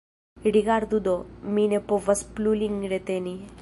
Rigardu do, mi ne povas plu lin reteni.